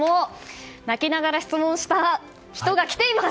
泣きながら質問した人が来ています！